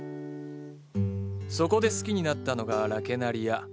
そこで好きになったのがラケナリア。